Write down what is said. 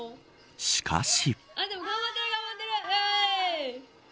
しかし。